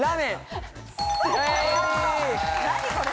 何これ。